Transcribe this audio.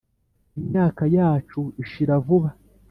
imyaka yacu ishira vuba.